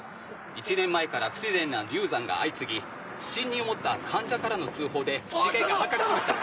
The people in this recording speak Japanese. １年前から不自然な流産が相次ぎ不審に思った患者からの通報で事件が発覚しました。